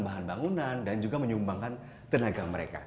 bahan bangunan dan juga menyumbangkan tenaga mereka